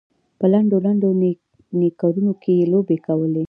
په لنډو لنډو نیکرونو کې یې لوبې کولې.